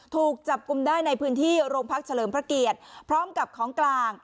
ถูกจับกลุ่มได้ในพื้นที่โรงพักเฉลิมพระเกียรติพร้อมกับของกลาง